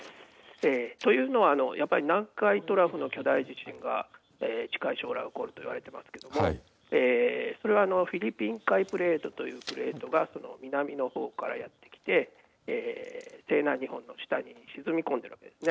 というのは、やっぱり南海トラフの巨大地震が近い将来起こると言われていますけれどもそれはフィリピン海プレートというプレートが南の方からやってきて西南日本の下に沈み込んでですね